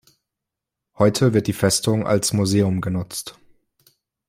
Heute wird die Festung als Museum genutzt.